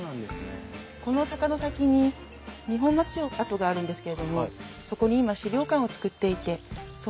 この坂の先に二本松城跡があるんですけれどもそこに今資料館を作っていてその準備担当をされているんです。